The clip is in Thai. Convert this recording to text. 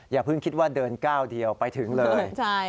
อย่าเพิ่งคิดว่าเดินก้าวเดียวไปถึงเลย